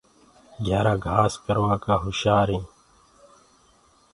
گهيآرآ گھآس ڪروآ ڪآ مآهر هينٚ۔